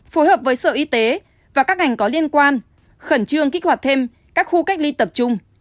phối hợp với sở y tế và các ngành có liên quan khẩn trương kích hoạt thêm các khu cách ly tập trung